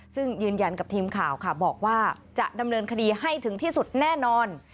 ซึ่งยืนยันกับทีมข่าวค่ะบอกว่าจะดำเนินคดีให้ถึงที่สุดแน่นอน